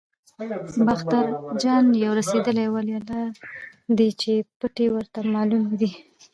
باختر اجان یو رسېدلی ولي الله دی چې پټې ورته معلومې دي.